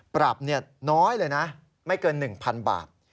ปรับน้อยเลยนะไม่เกิน๑๐๐๐บาท